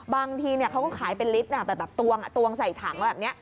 บางทีเขาก็ขายเป็นลิตรแบบตวงใส่ถังแบบนี้